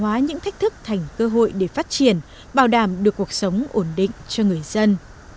hóa những thách thức thành cơ hội để phát triển bảo đảm được cuộc sống ổn định cho người dân